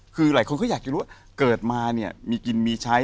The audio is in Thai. คือหลายคนก็อยากจะรู้ว่าเกิดมาเนี่ยมีกินมีใช้